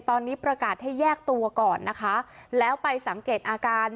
ตอนนี้ประกาศให้แยกตัวก่อนนะคะแล้วไปสังเกตอาการ